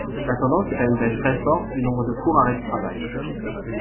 La tendance est à une baisse très forte du nombre de courts arrêts de travail.